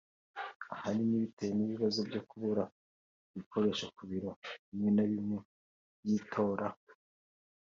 ahanini bitewe n’ibibazo byo kubura ibikoresho ku biro bimwe na bimwe by’itora